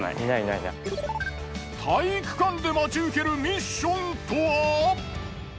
体育館で待ち受けるミッションとは？